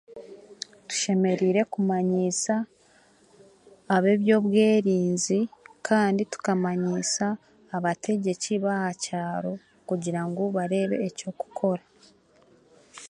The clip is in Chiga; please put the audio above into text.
Tushemereire kumanyiisa ab'eby'obwerinzi kandi tukamanyiisa abategyeki b'ahakyaro kugira ngu bareebe ekyokukora